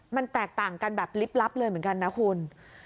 มันแตกต่างกันแบบลิบลับเลยเหมือนกันนะคุณ